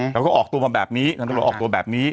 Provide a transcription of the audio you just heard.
เขาก็ออกตัวมาแบบนี้ทางตำรวจออกตัวแบบนี้